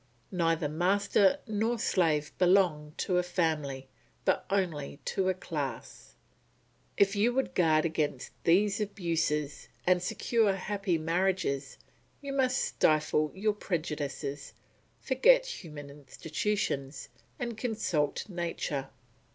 Neither master nor slave belongs to a family, but only to a class. If you would guard against these abuses, and secure happy marriages, you must stifle your prejudices, forget human institutions, and consult nature.